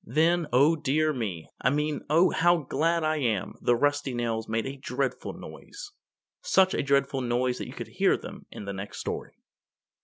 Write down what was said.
Then, Oh, dear me! I mean, Oh, how glad I am! The rusty nails made a dreadful noise such a dreadful noise that you could hear them in the next story.